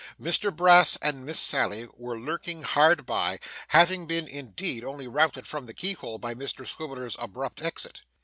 Mr Brass and Miss Sally were lurking hard by, having been, indeed, only routed from the keyhole by Mr Swiveller's abrupt exit.